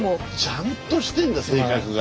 ちゃんとしてんだ性格が。